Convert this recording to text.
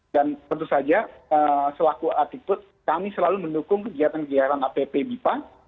dan tentu saja selaku atiput kami selalu mendukung kegiatan kegiatan app bipa